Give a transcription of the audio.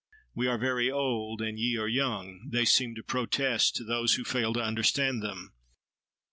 "We are very old, and ye are young!" they seem to protest, to those who fail to understand them.